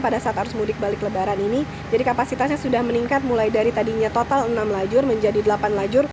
pada saat arus mudik balik lebaran ini jadi kapasitasnya sudah meningkat mulai dari tadinya total enam lajur menjadi delapan lajur